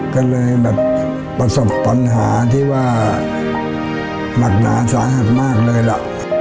ก็เลยแบบประสบปัญหาที่ว่าหนักหนาสาหัสมากเลยล่ะ